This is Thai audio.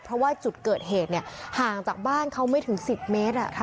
เพราะว่าจุดเกิดเหตุเนี่ยห่างจากบ้านเขาไม่ถึงสิบเมตรอ่ะ